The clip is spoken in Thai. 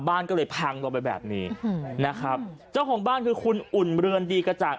บ้านก็เลยพังลงไปแบบนี้อืมนะครับเจ้าของบ้านคือคุณอุ่นเรือนดีกระจ่าง